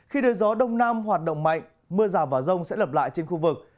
khi đời gió đông nam hoạt động mạnh mưa rào và rông sẽ lặp lại trên khu vực